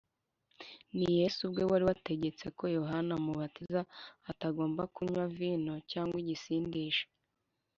. Ni Yesu ubwe wari warategetse ko Yohana Umubatiza atagombaga kunywa vino cyangwa igisindisha